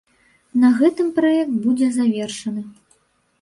На гэтым праект будзе завершаны.